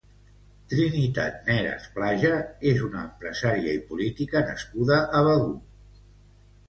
Trinitat Neras Plaja és una empresària i política nascuda a Begur.